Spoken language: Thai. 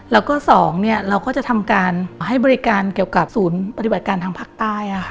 แล้วก็๒เราก็จะทำการให้บริการเกี่ยวกับศูนย์ปฏิบัติการทางภาคใต้